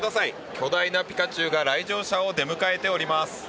巨大なピカチュウが来場者を出迎えております。